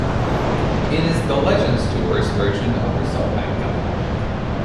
It is The Legends Tour's version of the Solheim Cup.